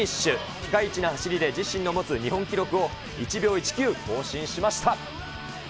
ピカイチの走りで自身の持つ日本記録を１秒１９更新しました。